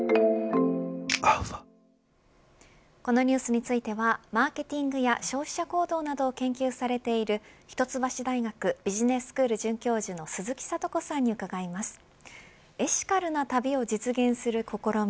このニュースについてはマーケティングや消費者行動を研究している一橋大学ビジネススクール准教授の鈴木智子さんに伺います。